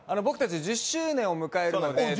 僕たち１０周年を迎えるので。